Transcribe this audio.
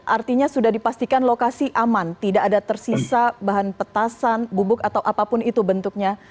artinya sudah dipastikan lokasi aman tidak ada tersisa bahan petasan gubuk atau apapun itu bentuknya